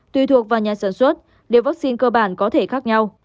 tùy thuộc vào nhà sản xuất điều vắc xin cơ bản có thể khác nhau